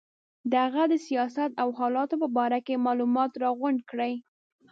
د هغه د سیاست او حالاتو په باره کې معلومات راغونډ کړي.